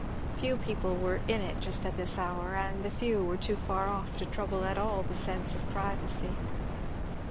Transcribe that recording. Few people were in it just at this hour, and the few were too far off to trouble at all the sense of privacy.